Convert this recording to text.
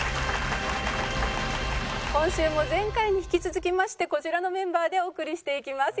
今週も前回に引き続きましてこちらのメンバーでお送りしていきます。